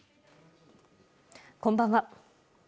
こんばんは。